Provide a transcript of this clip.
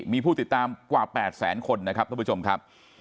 มีผู้ติดตามกว่า๘แสนคนนะครับทุกผู้ชมครับ